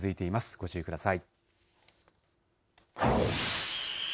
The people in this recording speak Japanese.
ご注意ください。